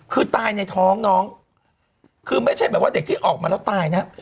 คือตายในท้องน้องคือไม่ใช่แบบว่าเด็กที่ออกมาแล้วตายนะ